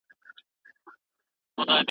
د مېګرین ناروغي د مغز فعالیت کمزوری کوي.